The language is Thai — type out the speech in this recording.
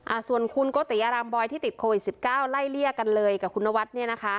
อ่าส่วนคุณโกติอารามบอยที่ติดโควิดสิบเก้าไล่เลี่ยกันเลยกับคุณนวัดเนี่ยนะคะ